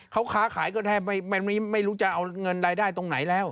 เขาค้าขายก็แทบไม่รู้จะเอาเงินรายได้ตรงไหนแล้ว